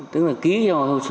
tức là ký hội hội sơ